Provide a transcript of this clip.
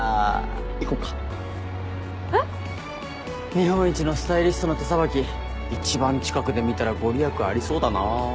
日本一のスタイリストの手さばき一番近くで見たら御利益ありそうだな。